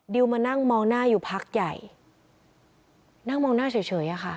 มานั่งมองหน้าอยู่พักใหญ่นั่งมองหน้าเฉยอะค่ะ